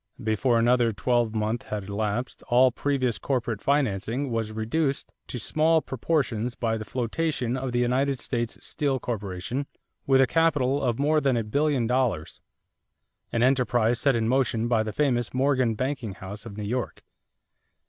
Before another twelvemonth had elapsed all previous corporate financing was reduced to small proportions by the flotation of the United States Steel Corporation with a capital of more than a billion dollars, an enterprise set in motion by the famous Morgan banking house of New York.